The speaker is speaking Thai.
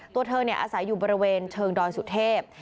ตัวเธออาศัยอยู่บริเวณเชิงดอยสุเทพ